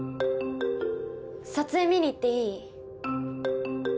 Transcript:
撮影見に行っていい？